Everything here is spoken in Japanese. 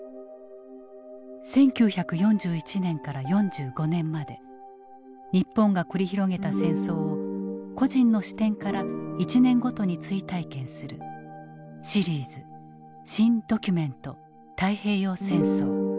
１９４１年から４５年まで日本が繰り広げた戦争を個人の視点から１年ごとに追体験するシリーズ「新・ドキュメント太平洋戦争」。